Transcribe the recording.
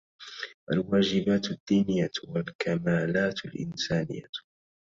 الواجبات الدينية والكمالات الإنسانية